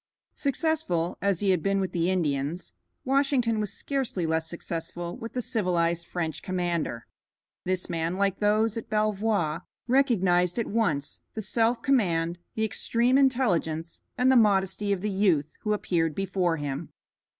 Successful as he had been with the Indians, Washington was scarcely less successful with the civilized French commander. This man, like those at Belvoir, recognized at once the self command, the extreme intelligence, and the modesty of the youth who appeared before him.